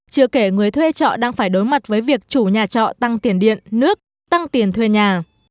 chưa kể người thuê trọ đang phải đối mặt với việc chủ nhà trọ tăng tiền điện nước tăng tiền thuê nhà